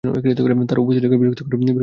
তার উপস্থিতিকেই বিরক্তিকর মনে হতে লাগল।